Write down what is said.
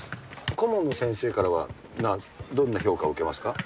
顧問の先生からは、どんな評価を受けますか？